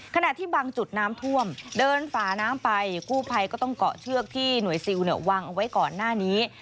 ขณะที่บางจุดน้ำท่วมเดินฝาน้ำไปกู้ภัยก็ต้องเกาะเชือกที่หน่วยซิลวางเอาไว้ก่อนหน้านี้